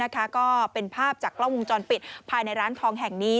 ก็เป็นภาพจากกล้องวงจรปิดภายในร้านทองแห่งนี้